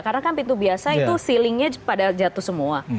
karena kan pintu biasa itu sealingnya pada jatuh semua